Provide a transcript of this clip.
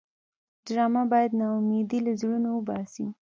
ډرامه باید ناامیدي له زړونو وباسي